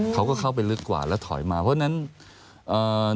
เขาก็เข้าไปลึกกว่าแล้วถอยมาเพราะฉะนั้นเอ่อ